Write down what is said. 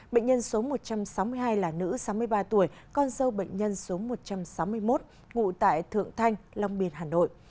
bệnh nhân số một trăm sáu mươi hai là nữ sáu mươi ba tuổi con dâu bệnh nhân số một trăm sáu mươi một ngụ tại thượng thanh long biên hà nội